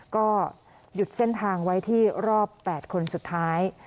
ก็หยุดเส้นทางไว้ที่รอบ๘คนสุดท้าย